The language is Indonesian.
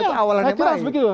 itu awalnya baik